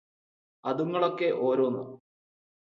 അതുങ്ങളൊക്കെ ഓരോന്ന്